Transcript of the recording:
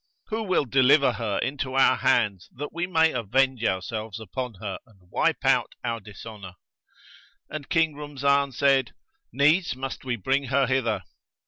Who will deliver her into our hands that we may avenge ourselves upon her and wipe out our dishonour?" And King Rumzan said, "Needs must we bring her hither."